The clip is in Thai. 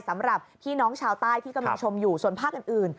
สำหรับพี่น้องชาวใต้ที่กำลังชมอยู่ส่วนภาคอื่น